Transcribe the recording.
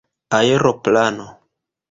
aeroplano